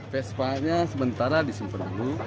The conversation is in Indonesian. vespanya sementara disimper dulu